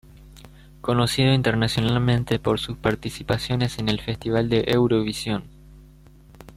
Conocido internacionalmente por sus participaciones en el Festival de Eurovisión.